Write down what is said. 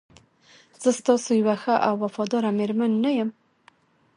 زه ستا یوه ښه او وفاداره میرمن نه یم؟